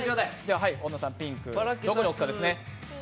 本田さん、ピンク、どこに置くかですね。